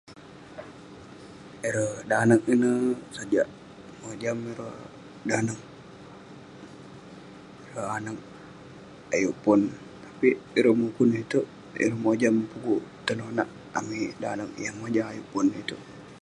Ireh danak ineh, sajak mojam ireh danak- ireh anak ayuk pon. Tapik ireh mukun iteuk, ireh mojam pukuk tenonak amik danak yah mojam ayuk pon iteuk.